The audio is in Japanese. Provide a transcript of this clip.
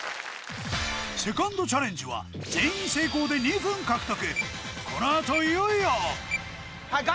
セカンドチャレンジは全員成功で２分獲得